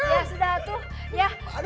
ya sudah tuh ya